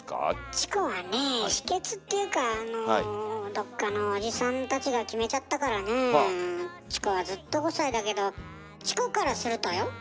チコはねぇ秘けつっていうかあのどっかのおじさんたちが決めちゃったからねぇチコはずっと５歳だけどチコからするとよ？はい。